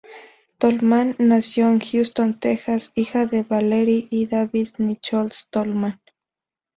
Tolman nació en Houston, Texas, hija de Valerie y Davis Nichols Tolman.